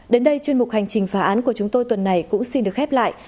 đến đây chuyên mục hành trình phá án của chúng tôi tuần này cũng xin được khép lại